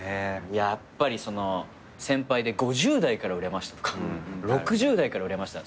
やっぱりその先輩で５０代から売れましたとか６０代から売れました。